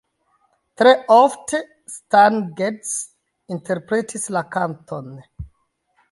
Tre ofte Stan Getz interpretis la kanton.